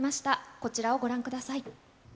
こちらをご覧ください。